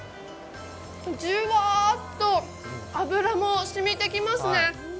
じゅわっと脂も染みてきますね。